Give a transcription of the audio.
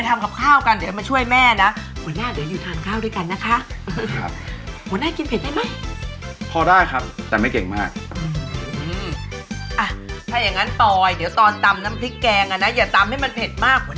แม่มัวจะเม้าท์เดี๋ยวพ่อก็ได้กินข้าวเช้าตอนพระทันเทนหรอก